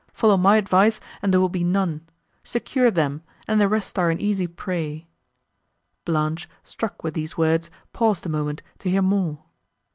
Follow my advice, and there will be none—secure them, and the rest are an easy prey." Blanche, struck with these words, paused a moment, to hear more.